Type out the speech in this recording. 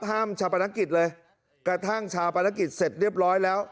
ชาปนกิจเลยกระทั่งชาปนกิจเสร็จเรียบร้อยแล้ว